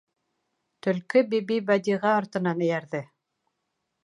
Төлкө Бибибәдиғә артынан эйәрҙе.